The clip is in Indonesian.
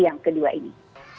yang kedua ini